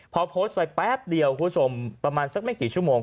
พอโพสต์ไปแป๊บเดียวคุณผู้ชมประมาณสักไม่กี่ชั่วโมง